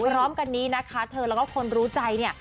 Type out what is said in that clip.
พร้อมกันนี้นะคะเธอแล้วก็คนรู้ใจเนี่ย